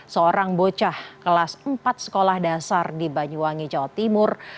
seorang bocah kelas empat sekolah dasar di banyuwangi jawa timur